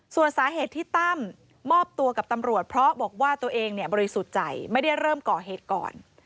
ส่วนสาเหตุที่ตั้มมอบตัวกับตำรวจเพราะบอกว่าตัวเองบริสุทธิ์ใจไม่ได้เริ่มก่อเหตุก่อน